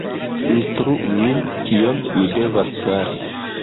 Instruu min, kion mi devas fari!